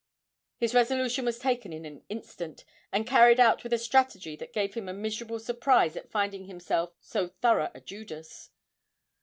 His resolution was taken in an instant, and carried out with a strategy that gave him a miserable surprise at finding himself so thorough a Judas.